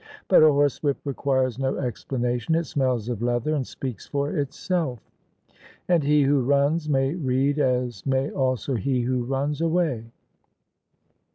But a horsewhip requires no explanation: it smells of leather and speaks for itself: and he who runs may read, as may also he who runs away."